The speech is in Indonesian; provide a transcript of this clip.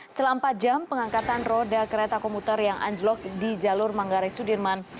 setelah empat jam pengangkatan roda kereta komuter yang anjlok di jalur manggarai sudirman